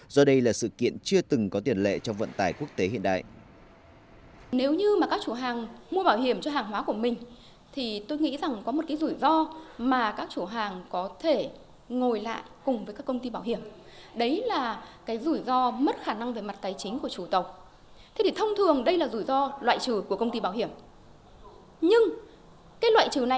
do đây là sự kiện chưa từng có tiền lệ cho vận tài quốc tế hiện đại